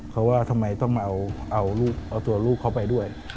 เขาว่าทำไมต้องเอาตัวลูกเขาไปด้วย